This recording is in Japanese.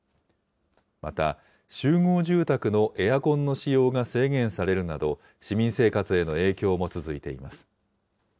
また、集合住宅のエアコンの使用が制限されるなど、市民生活への影響も続いています。